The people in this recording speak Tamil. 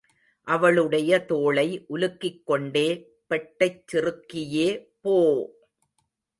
அவளுடைய தோளை உலுக்கிக் கொண்டே, பெட்டைச் சிறுக்கியே போ!